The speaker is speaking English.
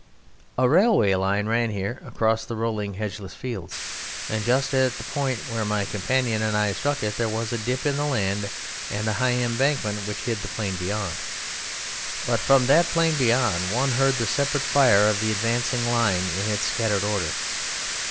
A railway line ran here across the rolling hedgeless fields, and just at the point where my companion and I struck it there was a dip in the land and a high embankment which hid the plain beyond; but from that plain beyond one heard the separate fire of the advancing line in its scattered order.